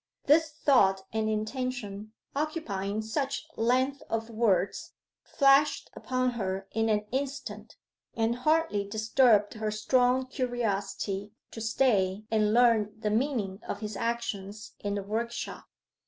This thought and intention, occupying such length of words, flashed upon her in an instant, and hardly disturbed her strong curiosity to stay and learn the meaning of his actions in the workshop.